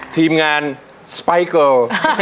ทีมงานสไปเกิล